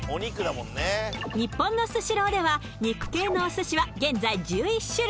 日本のスシローでは肉系のお寿司は現在１１種類。